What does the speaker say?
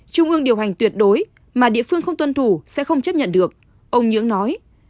trung ương điều hành tuyệt đối mà địa phương không tuân thủ sẽ không chấp nhận được ông nhưỡng nói